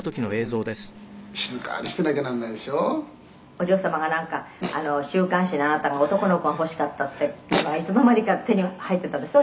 「お嬢様がなんか週刊誌であなたが“男の子が欲しかった”っていうのがいつの間にか手に入っていたんですって？」